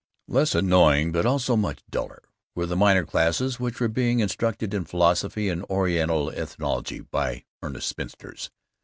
Less annoying but also much duller were the minor classes which were being instructed in philosophy and Oriental ethnology by earnest spinsters.